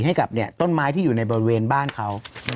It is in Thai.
ให้กับต้นไม้ที่อยู่ในบริเวณบ้านเขา